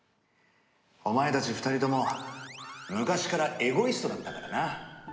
お前たち２人とも昔からエゴイストだったからな。